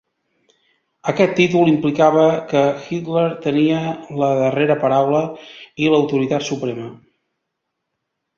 Aquest títol implicava que Hitler tenia la darrera paraula i l'autoritat suprema.